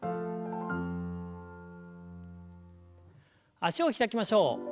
脚を開きましょう。